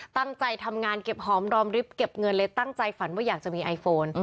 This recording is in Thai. ตั้งใจทำงานเก็บหอมรอมริบเก็บเงินเลยตั้งใจฝันว่าอยากจะมีไอโฟน